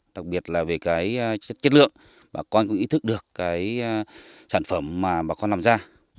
đặc biệt là về chất lượng bà con cũng ý thức được sản phẩm mà bà con làm ra